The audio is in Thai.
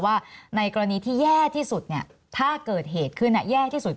ว่าในกรณีที่แย่ที่สุดถ้าเกิดเหตุขึ้นแย่ที่สุด